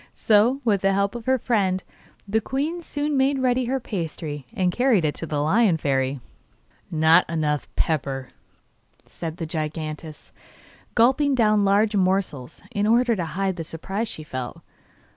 So, with the help of her friend, the queen soon made ready her pasty and carried it to the Lion Fairy. 'Not enough pepper,' said the giantess, gulping down large morsels, in order the hide the surprise she felt.